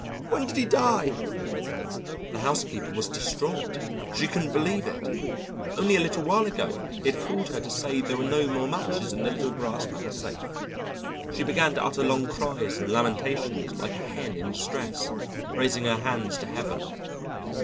When did he die?" The housekeeper was distraught. She couldn't believe it. Only a little while ago he had called her to say there were no more matches in the little brass matchsafe. She began to utter long cries and lamentations like a hen in distress, raising her hands to heaven.